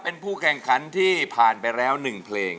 เป็นผู้แข่งขันที่ผ่านไปแล้ว๑เพลง